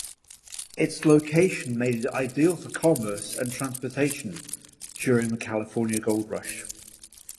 Its location made it ideal for commerce and transportation during the California Gold Rush.